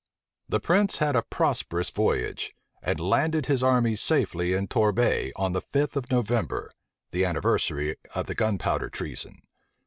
The prince had a prosperous voyage, and landed his army safely in Torbay on the fifth of November, the anniversary of the gunpowder treason.